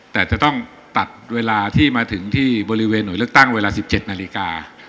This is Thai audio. แต่จะต้องตัดเวลาที่มาถึงที่บริเวณหน่วยเลือกตั้งเวลา๑๗นาฬิกา